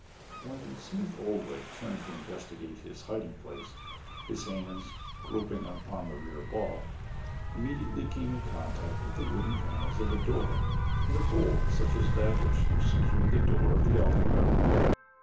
When Smith Oldwick turned to investigate his hiding place, his hands, groping upon the rear wall, immediately came in contact with the wooden panels of a door and a bolt such as that which secured the door of the outer room.